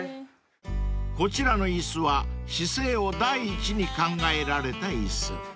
［こちらの椅子は姿勢を第一に考えられた椅子］